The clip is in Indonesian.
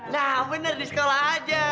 nah benar di sekolah aja